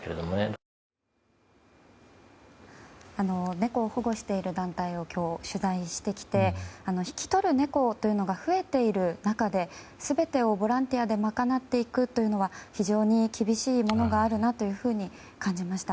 猫を保護している団体を今日、取材してきて引き取る猫というのが増えている中で全てをボランティアで賄っていくというのは非常に厳しいものがあるなというふうに感じました。